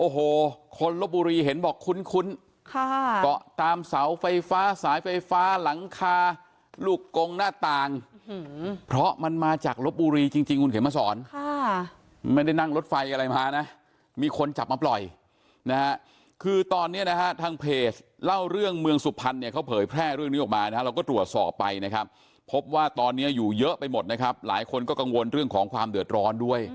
โอ้โหคนลบบุรีเห็นบอกคุ้นค่ะเกาะตามเสาไฟฟ้าสายไฟฟ้าหลังคาลูกกงหน้าต่างเพราะมันมาจากลบบุรีจริงคุณเข็มมาสอนค่ะไม่ได้นั่งรถไฟอะไรมานะมีคนจับมาปล่อยนะฮะคือตอนนี้นะฮะทางเพจเล่าเรื่องเมืองสุพรรณเนี่ยเขาเผยแพร่เรื่องนี้ออกมานะฮะเราก็ตรวจสอบไปนะครับพบว่าตอนนี้อยู่เยอะไปหมดนะครับหลายคนก็กังวลเรื่องของความเดือดร้อนด้วย